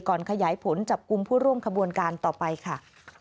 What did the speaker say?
ขยายผลจับกลุ่มผู้ร่วมขบวนการต่อไปค่ะ